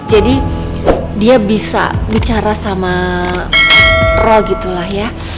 jadi dia bisa bicara sama roh gitu lah ya